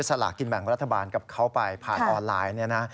สละกินแบ่งรัฐบาลกับเขาไปผ่านออนไลน์